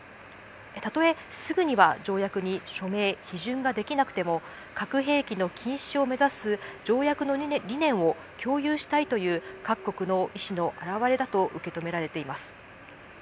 たとえ、すぐには条約に署名・批准ができなくても核兵器の禁止を目指す条約の理念を共有したいという各国の意思の表れだと受け止められています。